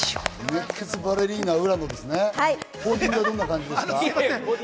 熱血バレリーナ・浦野ですね。